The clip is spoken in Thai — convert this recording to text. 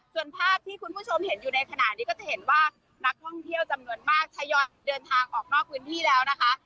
ส่วนภาพที่คุณผู้ชมเห็นอยู่ในขณะนี้ก็จะเห็นว่านักท่องเที่ยวจำนวนมากทยอยเดินทางออกนอกพื้นที่แล้วนะคะ